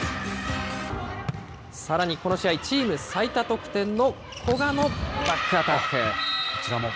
さらにこの試合、チーム最多得点の古賀のバックアタック。